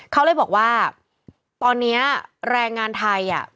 เขาเลยบอกว่าตอนนี้แรงงานไทย